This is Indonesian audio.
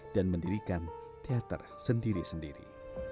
dan mendirikan teater sendiri sendiri